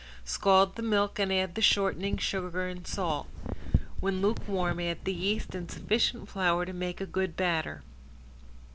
Scald the milk and add the shortening, sugar, and salt. When lukewarm add the yeast and sufficient flour to make a good batter.